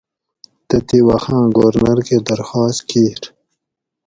تتھی وخاۤں گورنر کہ درخاس کیر